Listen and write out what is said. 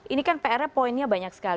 ini kan pr nya poinnya banyak sekali